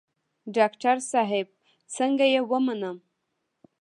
ډاکتر صاحب څنګه يې ومنم.